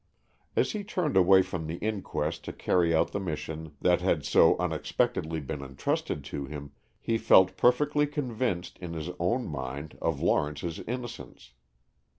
As he turned away from the inquest to carry out the mission that had so unexpectedly been entrusted to him, he felt perfectly convinced, in his own mind, of Lawrence's innocence.